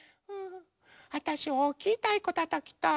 あたしおおきいたいこたたきたい。